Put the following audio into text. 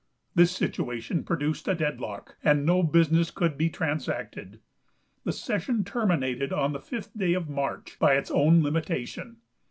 This situation produced a deadlock, and no business could be transacted. The session terminated on the fifth day of March by its own limitation.